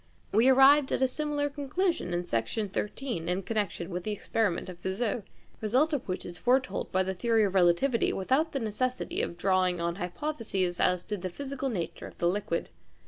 We arrived at a similar conclusion in Section 13 in connection with the experiment of Fizeau, the result of which is foretold by the theory of relativity without the necessity of drawing on hypotheses as to the physical nature of the liquid.